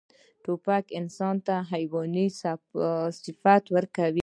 توپک انسان ته حیواني صفات ورکوي.